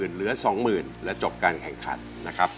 เหลือ๒๐๐๐และจบการแข่งขันนะครับ